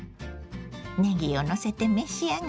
ねぎをのせて召し上がれ。